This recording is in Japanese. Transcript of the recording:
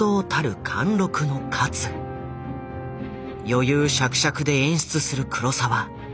余裕しゃくしゃくで演出する黒澤。